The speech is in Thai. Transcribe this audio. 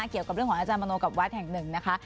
เกี่ยวกับเรื่องของอาจารย์มโนกับวัดแห่งหนึ่งนะคะ